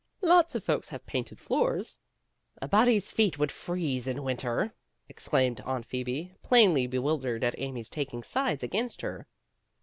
"Lots of folks have painted floors." "A body's feet would freeze in winter," ex claimed Aunt Phoebe, plainly bewildered at Amy's taking sides against her.